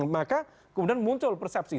maka kemudian muncul persepsi